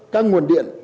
các nguồn điện